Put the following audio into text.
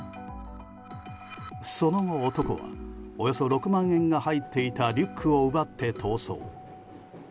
その後、男はおよそ６万円が入っていたリュックを奪って逃走。